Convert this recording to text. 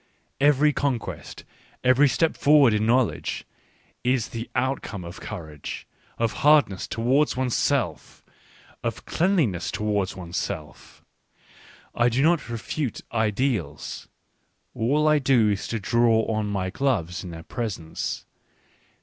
... Every con quest, every step forward in knowledge, is the out come of courage, of hardness towards one's self, of cleanliness towards one's self. I do not refute ideals ; all I do is to draw on my gloves in their presence.